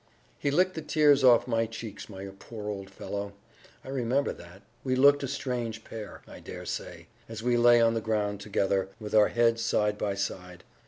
"He licked the tears off my cheeks, my poor old fellow; I remember that. We looked a strange pair, I dare say, as we lay on the ground together, with our heads side by side.